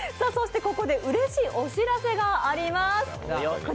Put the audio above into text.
ここでうれしいお知らせがあります。